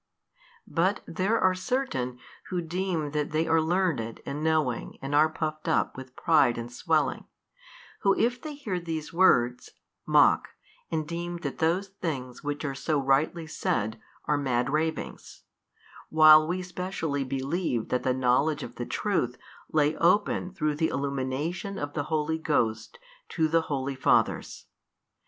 But there are certain who deem that they are learned and knowing and are puffed up with pride and swelling, who if they hear these words, mock, and deem that those things which are so rightly said, are mad ravings: while we specially believe that the knowledge of the Truth lay open through the illumination of the Holy Ghost to the holy Fathers.